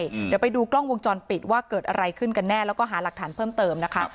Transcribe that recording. เดี๋ยวไปดูกล้องวงจรปิดว่าเกิดอะไรขึ้นกันแน่แล้วก็หาหลักฐานเพิ่มเติมนะคะ